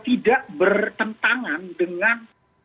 tidak bertentangan dengan